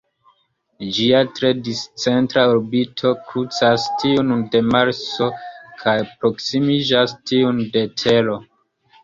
Ĝia tre discentra orbito krucas tiun de Marso, kaj proksimiĝas tiun de Tero.